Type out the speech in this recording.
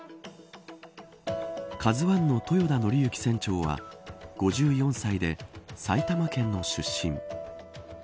ＫＡＺＵ１の豊田徳幸船長は５４歳で、埼玉県の出身。